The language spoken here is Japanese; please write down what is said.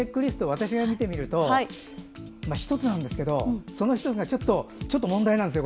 私が見てみると１つなんですけど、その１つがちょっと問題なんですよ。